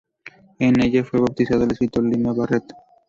En ella, fue bautizado el escritor Lima Barreto.